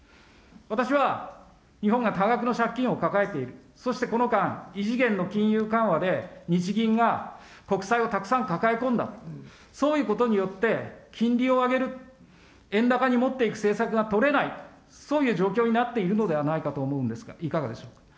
私は日本が多額の借金を抱えている、そしてこの間、異次元の金融緩和で、日銀が国債をたくさん抱え込んだ、そういうことによって金利を上げる、円高に持っていく政策が取れない、そういう状況になっているのではないかと思うんですが、いかがでしょうか。